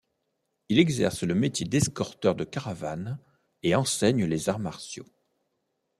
Il exerce le métier d'escorteur de caravanes et enseigne les arts martiaux.